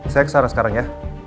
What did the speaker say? saya kesana sekarang ya